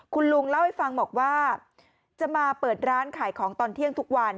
คุณลุงเล่าให้ฟังบอกว่าจะมาเปิดร้านขายของตอนเที่ยงทุกวัน